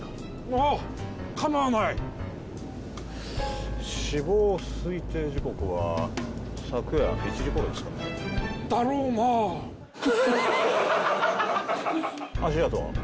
ああかまわない死亡推定時刻は昨夜１時頃ですかねだろうなあ足跡は？